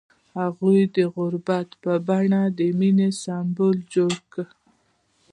هغه د غروب په بڼه د مینې سمبول جوړ کړ.